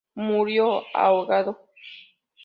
Murió ahogado.